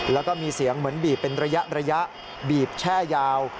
แล้วก็มีเสียงเหมือนบีบเป็นระยะบีบแช่ยาว